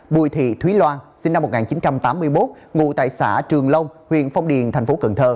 bùi thị thúy loan sinh năm một nghìn chín trăm tám mươi một ngụ tại xã trường long huyện phong điền tp cn